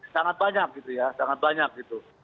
sangat banyak gitu ya sangat banyak gitu